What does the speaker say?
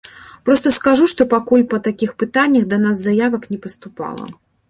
Проста скажу, што пакуль па такіх пытаннях да нас заявак не паступала.